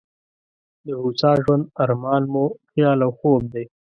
د هوسا ژوند ارمان مو خیال او خوب دی.